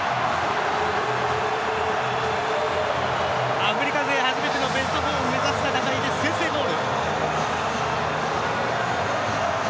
アフリカ勢初めてのベスト４を目指す戦いで先制ゴール。